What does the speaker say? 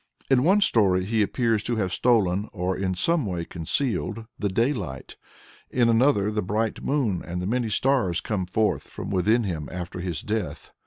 In one story he appears to have stolen, or in some way concealed, the day light; in another the bright moon and the many stars come forth from within him after his death.